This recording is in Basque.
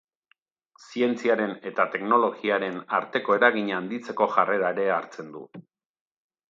Zientziaren eta teknologiaren arteko eragina handitzeko jarrera ere hartzen du.